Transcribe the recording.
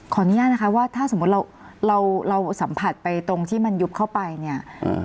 อนุญาตนะคะว่าถ้าสมมุติเราเราสัมผัสไปตรงที่มันยุบเข้าไปเนี่ย